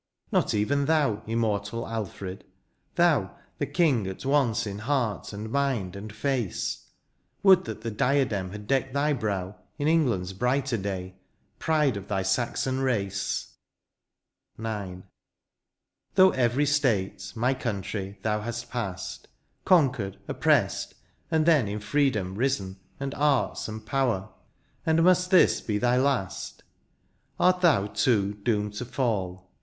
Not even thou, immortal Alfred, — thou. The king at once in heart, and mind, and face ; Would that the diadem had decked thy brow In England's brighter day, pride of thy Saxon rac^. IX. Through every state, my country, thou hast past. Conquered, oppressed, and then in freedom risen. And arts and power — and must this be thy last ? Art thou, too, doomed to fall